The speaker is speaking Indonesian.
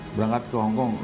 berangkat ke hongkong